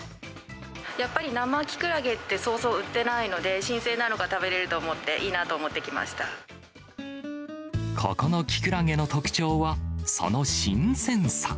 やっぱり生きくらげって、そうそう売ってないので、新鮮なのが食べれると思って、いいなとここのきくらげの特徴は、その新鮮さ。